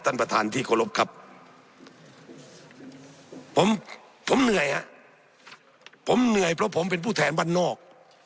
ท่านประธานที่เคารพครับผมผมเหนื่อยฮะผมเหนื่อยเพราะผมเป็นผู้แทนบ้านนอก